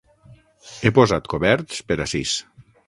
He posat coberts per a sis.